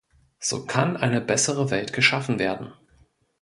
So kann eine bessere Welt geschaffen werden.